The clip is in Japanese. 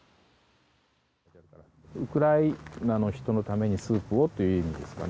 ウクライナの人のためにスープをという意味ですかね。